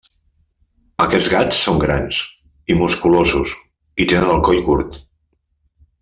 Aquests gats són grans i musculosos i tenen el coll curt.